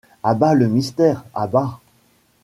À bas le mystère! à bas !